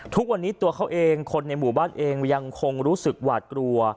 ทุกวันนี้ตัวเขาเองคนในหมู่บ้านเองยังคงรู้สึกหวาดกลัว